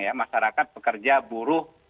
ya masyarakat pekerja buruh